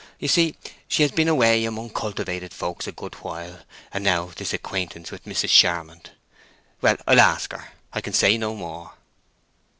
You see, she has been away among cultivated folks a good while; and now this acquaintance with Mrs. Charmond—Well, I'll ask her. I can say no more."